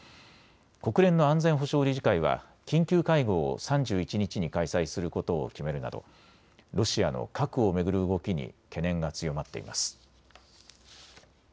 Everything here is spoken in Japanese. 国連の安全保障理事会は緊急会合を３１日に開催することを決めるなどロシアの核を巡る動きに懸念が強まっています。